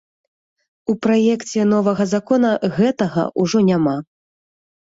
У праекце новага закона гэтага ўжо няма.